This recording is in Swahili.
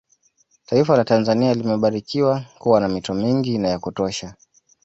Taifa la Tanzania limebarikiwa kuwa na mito mingi na ya kutosha